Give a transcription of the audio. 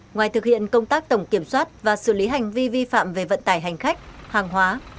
ngoài thực hiện công tác tổng kiểm soát và xử lý hành vi vi phạm về vận tải hành khách hàng hóa